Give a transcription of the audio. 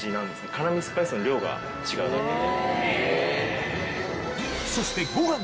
辛みスパイスの量が違うだけで。